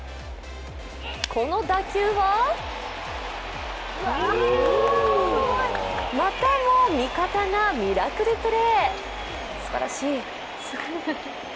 この打球はまたも味方がミラクルプレー、すばらしい。